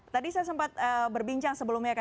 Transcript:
tadi saya sempat berbincang sebelumnya